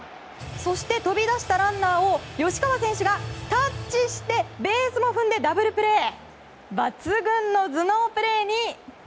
そして、飛び出したランナーを吉川選手がタッチしてベースも踏んでダブルプレー。